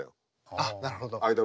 あっなるほど。